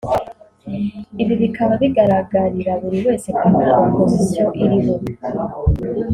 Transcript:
Ibi bikaba bigaragarira buri wese ko nta Opposition iriho